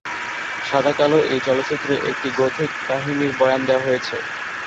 সাদা-কালো এই চলচ্চিত্রে একটি গোথিক কাহিনীর বয়ান দেয়া হয়েছে।